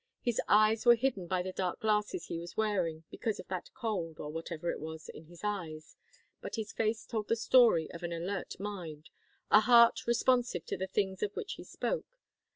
His eyes were hidden by the dark glasses he was wearing because of that cold, or whatever it was, in his eyes, but his face told the story of an alert mind, a heart responsive to the things of which he spoke.